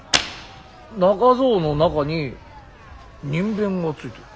中蔵の中に人偏がついてる。